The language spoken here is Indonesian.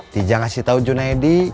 dija ngasih tau junaidi